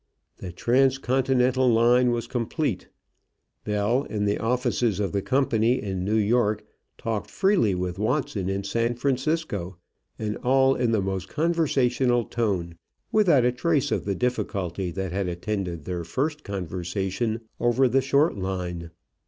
The transcontinental line was complete. Bell in the offices of the company in New York talked freely with Watson in San Francisco, and all in the most conversational tone, without a trace of the difficulty that had attended their first conversation over the short line.